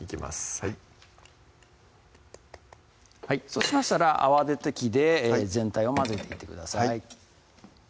はいそうしましたら泡立て器で全体を混ぜていってください